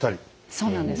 そうなんです。